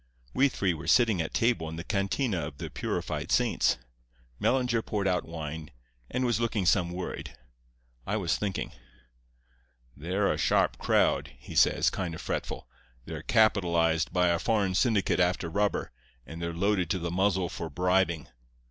"We three were sitting at table in the cantina of the Purified Saints. Mellinger poured out wine, and was looking some worried; I was thinking. "'They're a sharp crowd,' he says, kind of fretful. 'They're capitalized by a foreign syndicate after rubber, and they're loaded to the muzzle for bribing.